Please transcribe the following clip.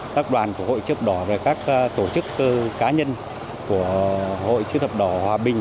các đoàn của hội chia thập đỏ và các tổ chức cá nhân của hội chia thập đỏ hòa bình